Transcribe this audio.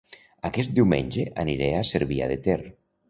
Aquest diumenge aniré a Cervià de Ter